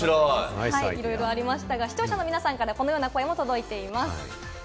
いろいろありましたが、視聴者の皆さんからこのような声も届いています。